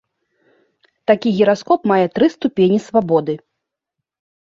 Такі гіраскоп мае тры ступені свабоды.